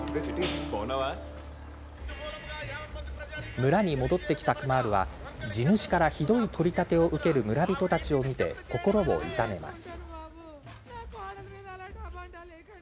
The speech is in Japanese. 村に戻ってきたクマールは地主からひどい取り立てを受ける村人たちを見て心を痛めます。